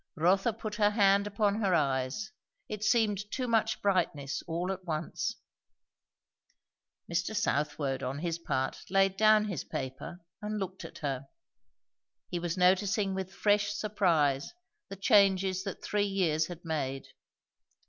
Rotha put her hand upon her eyes; it seemed too much brightness all at once. Mr. Southwode on his part laid down his paper and looked at her; he was noticing with fresh surprise the changes that three years had made.